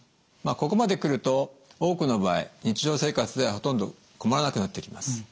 まあここまで来ると多くの場合日常生活ではほとんど困らなくなってきます。